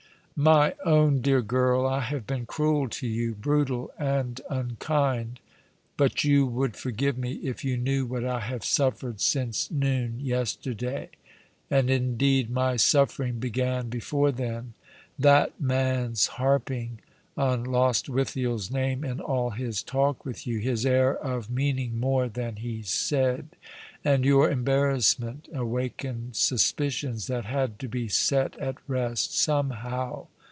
My own dear girl, I have been cruel to you — brutal and unkind ; but you would forgive me if you knew what I have suffered • since noon yesterday; and, indeed, my suffering began before then. That man's harping on Lostwithiei's name in all his talk with you — his air of meaning more than he said— and your embarrassment, awakened suspicions that had to be set at rest somehow.